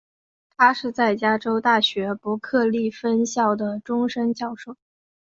他是在加州大学伯克利分校的终身教授。